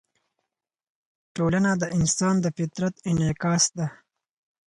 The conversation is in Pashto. ټولنه د انسان د فطرت انعکاس ده.